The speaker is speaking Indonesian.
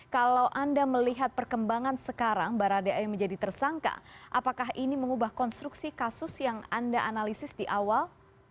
kalau anda melihat perkembangan sekarang baradae menjadi tersangka apakah ini mengubah konstruksi kasus yang anda analisis di awal